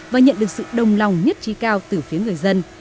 và nhận được sự đồng lòng nhất trí cao từ phía người dân